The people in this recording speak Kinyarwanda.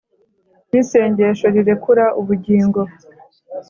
n'isengesho rirekura ubugingo